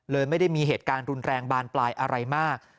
ไม่ได้มีเหตุการณ์รุนแรงบานปลายอะไรมาก